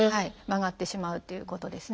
曲がってしまうっていうことですね。